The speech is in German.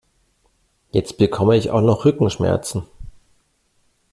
Jetzt bekomme ich auch noch Rückenschmerzen!